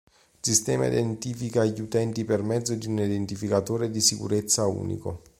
Il sistema identifica gli utenti per mezzo di un identificatore di sicurezza unico.